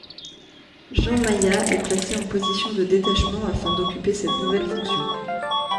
Jean Maïa est placé en position de détachement afin d'occuper cette nouvelle fonction.